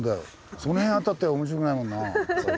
その辺あったって面白くないもんな。